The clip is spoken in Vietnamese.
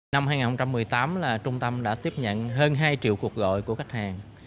năm hai nghìn một mươi tám là trung tâm đã tiếp nhận hơn hai triệu cuộc gọi của khách hàng